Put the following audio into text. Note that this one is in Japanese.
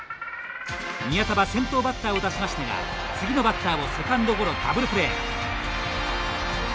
宮田は先頭バッターを出しましたが次のバッターをセカンドゴロダブルプレー。